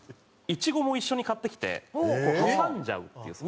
イチゴも一緒に買ってきて挟んじゃうっていう。